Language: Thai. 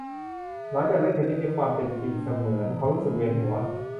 หลังจากเล่นเทนนิสในความเป็นจริงเสมือนเขารู้สึกเวียนหัว